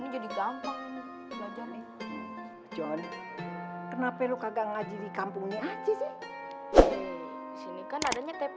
jonny kenapa lo kagak ngaji di kampung ini aja sih